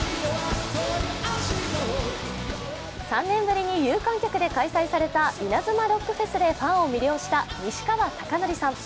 ３年ぶりに有観客で開催されたイナズマロックフェスでファンを魅了した西川貴教さん。